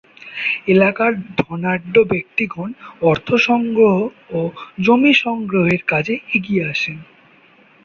এলাকার ধনাঢ্য ব্যক্তিগণ অর্থ সংগ্রহ ও জমি সংগ্রহের কাজে এগিয়ে আসেন।